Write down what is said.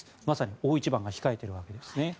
まさに大一番が控えているわけです。